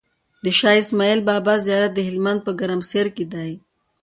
د شاهاسماعيل بابا زيارت دهلمند په ګرمسير کی دی